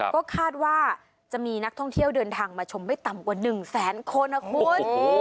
ก็คาดว่าจะมีนักท่องเที่ยวเดินทางมาชมไม่ต่ำกว่า๑แสนคนนะคุณ